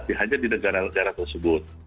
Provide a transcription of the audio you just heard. dihajar di negara negara tersebut